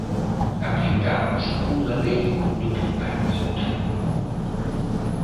Aplicamos unha lei do Bipartito.